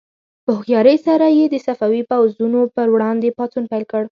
په هوښیارۍ سره یې د صفوي پوځونو پر وړاندې پاڅون پیل کړ.